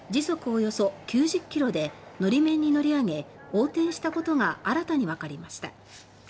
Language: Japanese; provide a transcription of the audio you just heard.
およそ９０キロでのり面に乗り上げ横転したことが新たにわかりました。